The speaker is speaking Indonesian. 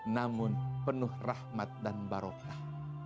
namun penuh rahmat dan barokah